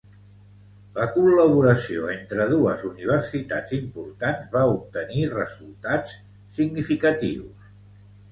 La col·laboració entre dues universitats importants va obtenir resultats significatius.